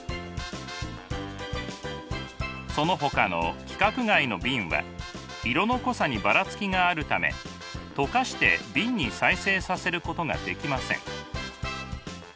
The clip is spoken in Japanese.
そのほかの規格外の瓶は色の濃さにばらつきがあるため溶かして瓶に再生させることができません。